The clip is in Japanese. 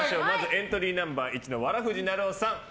エントリーナンバー１のわらふぢなるおさん